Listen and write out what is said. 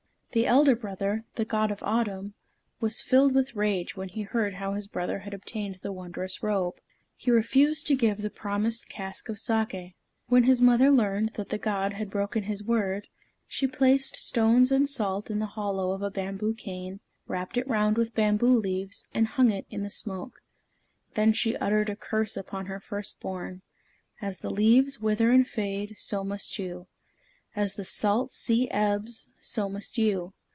The elder brother, the God of Autumn, was filled with rage when he heard how his brother had obtained the wondrous robe. He refused to give the promised cask of saké. When the mother learned that the god had broken his word, she placed stones and salt in the hollow of a bamboo cane, wrapped it round with bamboo leaves, and hung it in the smoke. Then she uttered a curse upon her first born: "As the leaves wither and fade, so must you. As the salt sea ebbs, so must you.